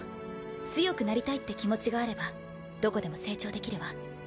強くなりたいって気持ちがあればどこでも成長できるわ。